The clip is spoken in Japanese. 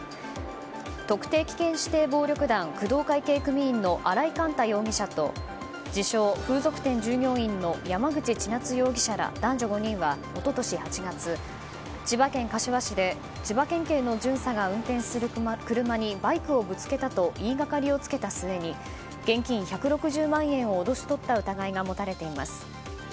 特定危険指定暴力団工藤会系組員の荒井幹太容疑者と自称風俗店従業員の山口稚夏容疑者らは千葉県柏市で千葉県警の巡査が運転する車にバイクをぶつけたと言いがかりを付けた末に現金１６０万円を脅し取った疑いが持たれています。